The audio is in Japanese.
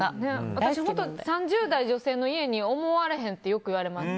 私、３０代女性の家に思われへんってよく言われます。